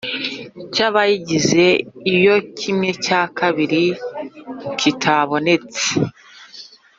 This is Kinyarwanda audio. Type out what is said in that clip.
Cy abayigize iyo kimwe cya kabiri kitabonetse